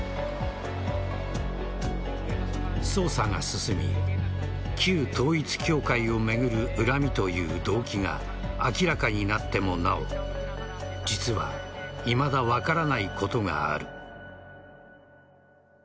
捜査が進み旧統一教会を巡る恨みという動機が明らかになってもなお実はいまだ分からないことがある。